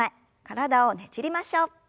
体をねじりましょう。